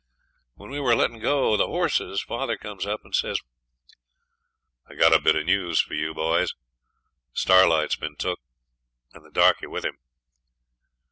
When we were letting go the horses, father comes up and says 'I've got a bit of news for you, boys; Starlight's been took, and the darkie with him.'